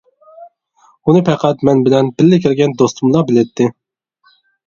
ئۇنى پەقەت مەن بىلەن بىللە كىرگەن دوستۇملا بىلەتتى.